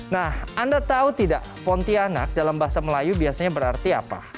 nah anda tahu tidak pontianak dalam bahasa melayu biasanya berarti apa